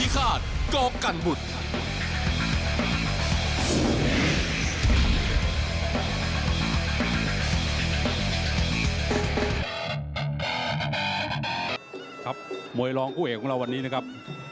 ครับมวยรองคู่เอกของเราวันนี้นะครับ